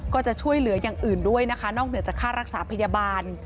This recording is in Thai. ก็จะช่วยเหลืออย่างอื่นด้วยนะคะนอกเหนือจากค่ารักษาพยาบาล